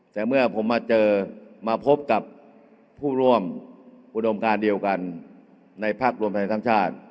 แต่เมื่อผมมาเจอมาพบกับผู้ร่วมอุดมการเดียวกันในภาครวมไทยสร้างชาติ